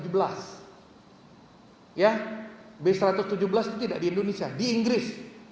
b satu ratus tujuh belas itu tidak di indonesia di inggris